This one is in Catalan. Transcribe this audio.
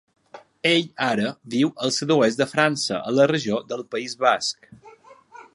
Ell ara viu al sud-oest de França a la regió del País Basc.